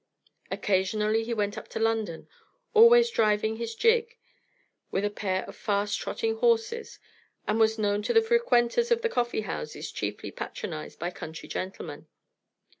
Occasionally he went up to London, always driving his gig, with a pair of fast trotting horses, and was known to the frequenters of the coffee houses chiefly patronized by country gentlemen.